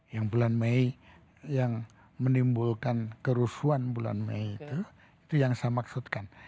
yang bulan mei yang menimbulkan kerusuhan bulan mei itu itu yang saya maksudkan